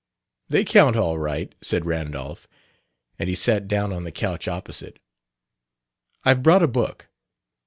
"They count all right," said Randolph; and he sat down on the couch opposite. "I've brought a book."